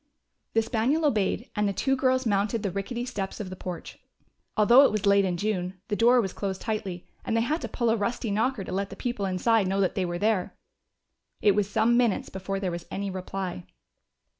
The spaniel obeyed, and the two girls mounted the rickety steps of the porch. Although it was late in June, the door was closed tightly, and they had to pull a rusty knocker to let the people inside know that they were there. It was some minutes before there was any reply.